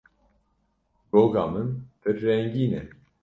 Goga min pir rengîn e.